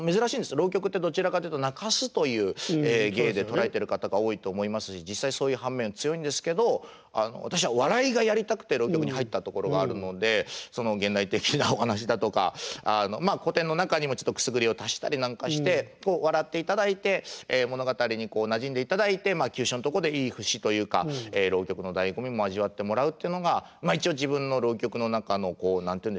浪曲ってどちらかというと泣かすという芸で捉えてる方が多いと思いますし実際そういう反面が強いんですけど私は笑いがやりたくて浪曲に入ったところがあるので現代的なお噺だとか古典の中にもちょっとくすぐりを足したりなんかして笑っていただいて物語になじんでいただいて急所んとこでいい節というか浪曲の醍醐味も味わってもらうっていうのが一応自分の浪曲の中の何て言うんでしょうね